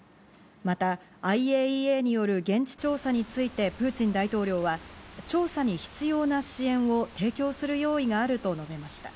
また、ＩＡＥＡによる現地調査についてプーチン大統領は、調査に必要な支援を提供する用意があると述べました。